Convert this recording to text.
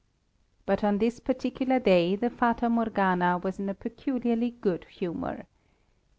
But on this particular day the Fata Morgana was in a peculiarly good humour.